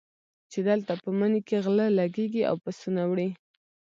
چې دلته په مني کې غله لګېږي او پسونه وړي.